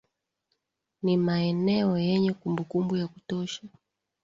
Ni maeneo yenye kumbukumbu ya kutosha